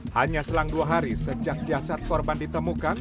hanya selang dua hari sejak jasad korban ditemukan